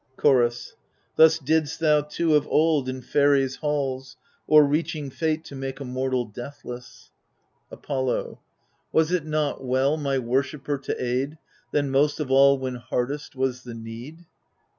Chorus Thus didst thou too of old in Pheres' halls. Overreaching Fate to make a mortal deathless. THE FURIES 169 Apollo Was it not well, my worshipper to aid, Then most of all when hardest was the need